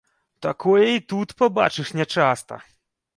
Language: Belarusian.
Такое і тут пабачыш нячаста!